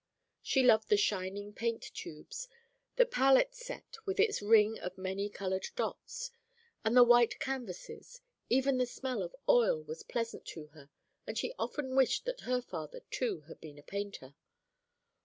She loved the shining paint tubes, the palette set with its ring of many colored dots, and the white canvases; even the smell of oil was pleasant to her, and she often wished that her father, too, had been a painter.